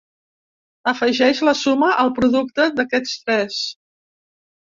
Afegeix la suma al producte d'aquests tres.